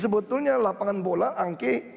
sebetulnya lapangan bola angke